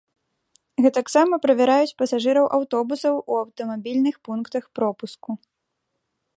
Гэтаксама правяраюць пасажыраў аўтобусаў у аўтамабільных пунктах пропуску.